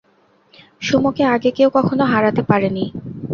সুমোকে আগে কেউ কখনো হারাতে পারেনি।